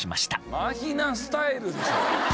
マヒナ・スタイルでしょ！